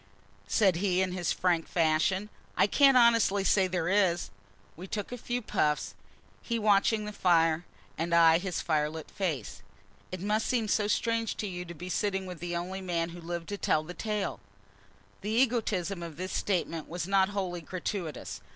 said he, in his frank fashion; "I can't honestly say there is." We took a few puffs, he watching the fire, and I his firelit face. "It must seem strange to you to be sitting with the only man who lived to tell the tale!" The egotism of this speech was not wholly gratuitous.